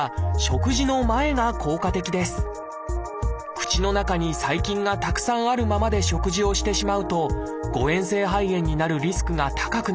口の中に細菌がたくさんあるままで食事をしてしまうと誤えん性肺炎になるリスクが高くなるからです。